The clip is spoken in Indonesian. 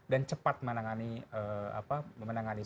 dan cepat menangani problem itu sendiri